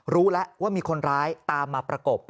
รู้แล้วว่ามีคนร้ายตามมาประกบ